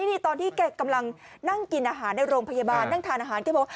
นี่ตอนที่นั่งกินอาหารในโรงพยาบาลนั่งทานอาหารใช่ป่ะ